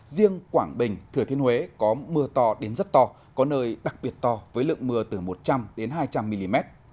riêng quảng bình thừa thiên huế có mưa to đến rất to có nơi đặc biệt to với lượng mưa từ một trăm linh hai trăm linh mm